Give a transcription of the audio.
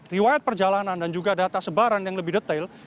riwayat perjalanan dan juga data sebaran yang lebih detail